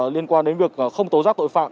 liên quan đến việc không tố rác tội phạm